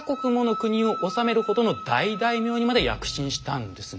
国を治めるほどの大大名にまで躍進したんですね。